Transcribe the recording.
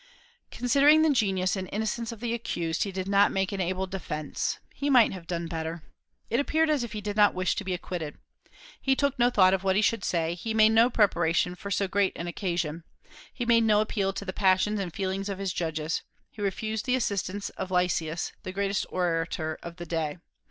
Considering the genius and innocence of the accused, he did not make an able defence; he might have done better. It appeared as if he did not wish to be acquitted. He took no thought of what he should say; he made no preparation for so great an occasion. He made no appeal to the passions and feelings of his judges. He refused the assistance of Lysias, the greatest orator of the day.